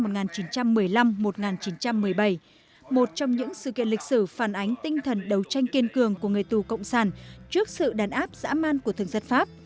trong năm một nghìn chín trăm một mươi bảy một trong những sự kiện lịch sử phản ánh tinh thần đấu tranh kiên cường của người tù cộng sản trước sự đàn áp dã man của thường dân pháp